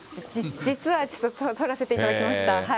実はちょっと取らせていただきました。